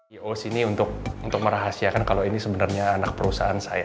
eo sini untuk merahasiakan kalau ini sebenarnya anak perusahaan saya